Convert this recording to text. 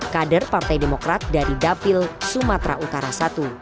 kader partai demokrat dari dapil sumatera utara i